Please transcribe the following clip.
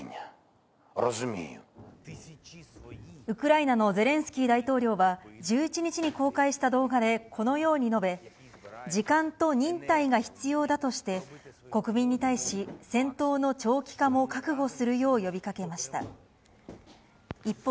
ウクライナのゼレンスキー大統領は、１１日に公開した動画でこのように述べ、時間と忍耐が必要だとして、国民に対し、戦闘の長期化も覚悟するよう呼びかけました。